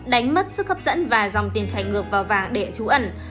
đánh mất sức hấp dẫn và dòng tiền chảy ngược vào vàng để trú ẩn